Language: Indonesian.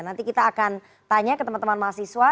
nanti kita akan tanya ke teman teman mahasiswa